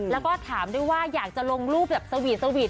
แล้วก็ถามด้วยว่าอยากจะลงรูปแบบสวีทสวีท